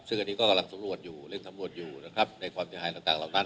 ซึ่งอันนี้ก็กำลังสำรวจอยู่เร่งสำรวจอยู่นะครับในความเสียหายต่างเหล่านั้น